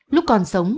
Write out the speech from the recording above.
lúc còn sống